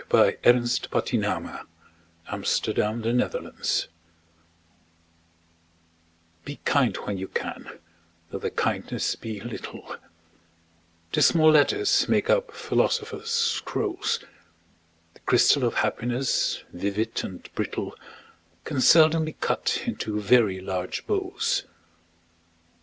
146033Be Kind When You CanEliza Cook Be kind when you can, though the kindness be little, 'Tis small letters make up philosophers' scrolls; The crystal of Happiness, vivid and brittle, Can seldom be cut into very large bowls.